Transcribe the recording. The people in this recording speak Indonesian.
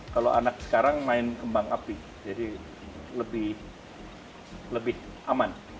kalau anak sekarang main kembang api jadi lebih aman